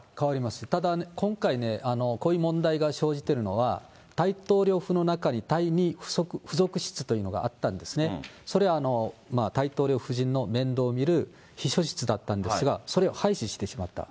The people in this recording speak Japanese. ただ今回、こういう問題が生じてるのは、大統領府の中に第２ふぞく室というのがあったんですね、それ、大統領夫人の面倒を見る秘書室だったんですが、それを廃止してしまった。